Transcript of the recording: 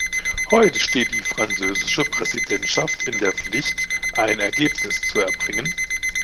Heute steht die französische Präsidentschaft in der Pflicht, ein Ergebnis zu erbringen.